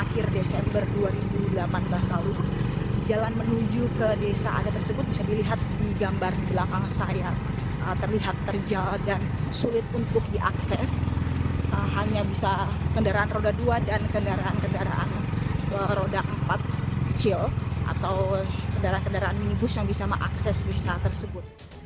hanya bisa kendaraan roda dua dan kendaraan roda empat kecil atau kendaraan kendaraan minibus yang bisa mengakses desa tersebut